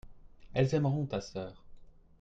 elles aimeront ta sœur.